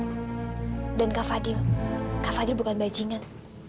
mbak fadil bukan mbak jingan